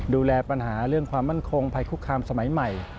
ดูแลปัญหาเรื่องความมั่นคงภัยคุกคามสมัยใหม่